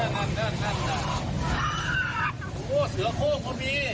สวะเสือโค้เป้าหมี